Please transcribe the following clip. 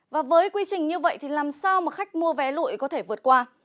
và với quy trình như vậy thì làm sao mà khách mua vé lụi có thể vượt qua